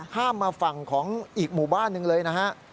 ข้ามมาฝั่งของอีกหมู่บ้านหนึ่งเลยนะฮะ